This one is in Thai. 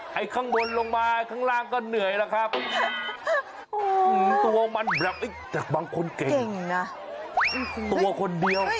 ให้ข้างบนลงมาข้างล่างก็เหนื่อยแล้วครับ